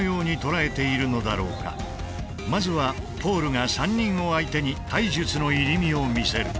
まずはポールが３人を相手に体術の入身を見せる。